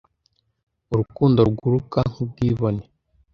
urukundo ruguruka nk ubwibone